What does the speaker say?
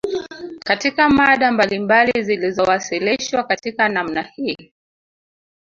Katika mada mbalimbali zilizowasilishwa katika namna hii